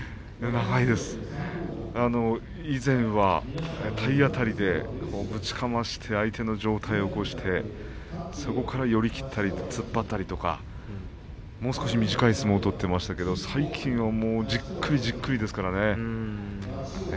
以前は体当たりで、ぶちかまして相手の上体を起こしてそこから寄り切ったり突っ張ったりもう少し短い相撲を取っていましたけど最近はじっくりじっくりですからね。